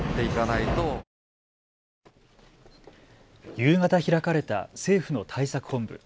夕方開かれた政府の対策本部。